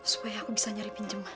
supaya aku bisa nyari pinjem